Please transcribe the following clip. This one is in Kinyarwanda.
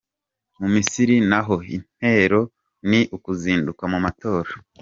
Mu Misiri n’aho intero ni ukuzinduka mu matora.